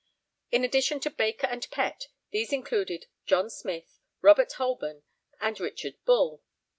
' In addition to Baker and Pett, these included John Smyth, Robert Holborn, and Richard Bull.